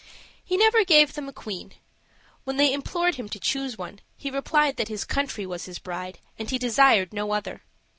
He never gave them a queen. When they implored him to choose one, he replied that his country was his bride, and he desired no other.